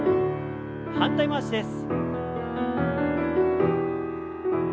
反対回しです。